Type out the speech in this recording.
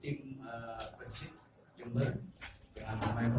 dan mereka bisa dari sisi gol mengimbangi pertandingan sore hari ini